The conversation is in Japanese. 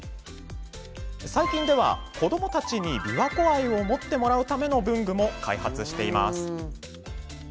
最近では、子どもたちに琵琶湖愛を持ってもらうための文具も開発しています。